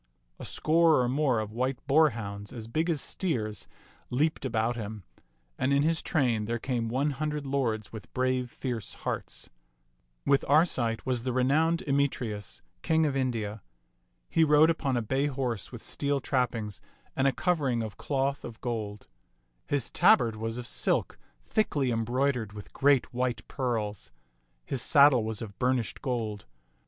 A score or more of white boarhounds as big as steers leaped about him, and in his train there came one hundred lords with brave, fierce hearts. With Arcite was the renowned Emetreus, king of India. He rode upon a bay horse with steel trappings and a covering of cloth of gold. His tabard was of silk, thickly embroidered with great white pearls. His sad dle was of burnished gold.